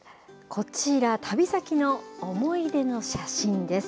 こちら、旅先の思い出の写真です。